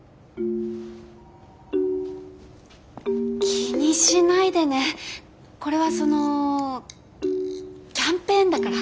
気にしないでねこれはそのキャンペーンだから。